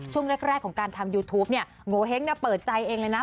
ช่วงแรกของการทำยูทูปเนี่ยโงเห้งเปิดใจเองเลยนะ